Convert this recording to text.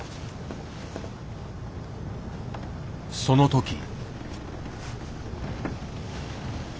その時。